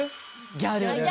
ギャルです！